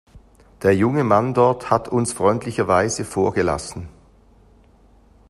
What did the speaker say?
Der junge Mann dort hat uns freundlicherweise vorgelassen.